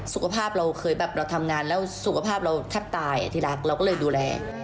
สุขภาพเราเคยแบบเราทำงานแล้วสุขภาพเราแทบตายที่รักเราก็เลยดูแล